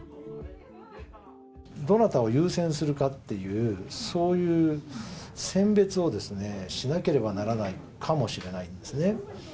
どなたを優先するかっていう、そういう選別をしなければならないかもしれないんですね。